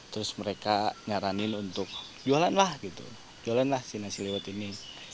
terus mereka nyaranin untuk jualan lah gitu jualan lah si nasi liwet ini